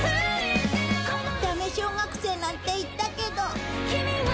ダメ小学生なんて言ったけど。